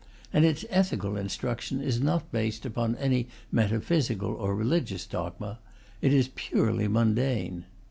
And its ethical instruction is not based upon any metaphysical or religious dogma; it is purely mundane.